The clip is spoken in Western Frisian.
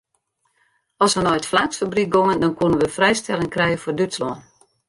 As we nei it flaaksfabryk gongen dan koenen we frijstelling krije foar Dútslân.